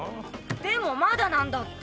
でもまだなんだって。